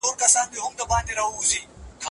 د ژوند حق د الله له لوري دی.